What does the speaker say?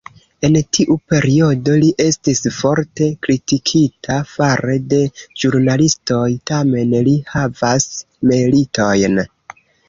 En tiu periodo li estis forte kritikita fare de ĵurnalistoj, tamen li havas meritojn.